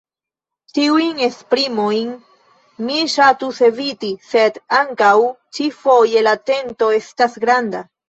Tiujn esprimojn mi ŝatus eviti, sed ankaŭ ĉi-foje la tento estas granda.